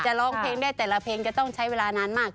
ร้องเพลงได้แต่ละเพลงจะต้องใช้เวลานานมาก